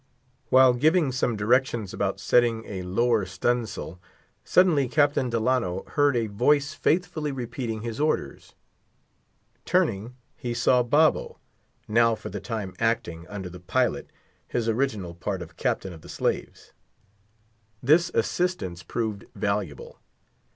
While giving some directions about setting a lower stu'n' sail, suddenly Captain Delano heard a voice faithfully repeating his orders. Turning, he saw Babo, now for the time acting, under the pilot, his original part of captain of the slaves. This assistance proved valuable.